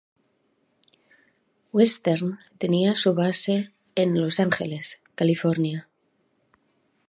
Western tenía su base en Los Ángeles, California.